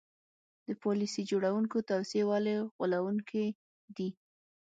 د پالیسي جوړوونکو توصیې ولې غولوونکې دي.